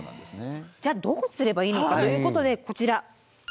じゃあどうすればいいのかということでこちら。